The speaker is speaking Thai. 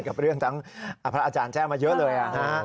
กับเรื่องทั้งพระอาจารย์แจ้งมาเยอะเลย